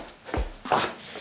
あっ